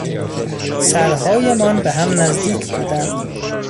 سرهایمان به هم نزدیک بودند.